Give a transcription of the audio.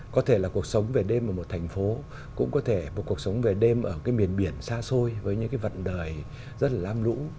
có thể là cuộc sống về đêm ở một thành phố cũng có thể là cuộc sống về đêm ở miền biển xa xôi với những vận đời rất là lam lũ